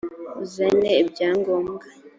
uzane ibyangombwa.